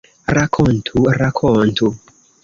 Rakontu, rakontu!